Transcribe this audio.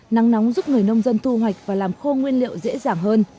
nắng nóng giúp người nông dân thu hoạch và làm khô nguyên liệu dễ dàng hơn